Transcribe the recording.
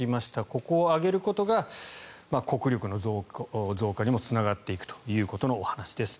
ここを上げることが国力の増加にもつながっていくということのお話です。